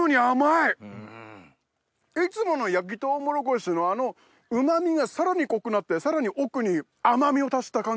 いつもの焼きとうもろこしのあのうま味がさらに濃くなってさらに奥に甘みを足した感じ。